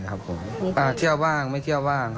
คบกับเรามี